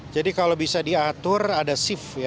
jadi kalau bisa diatur ada shift ya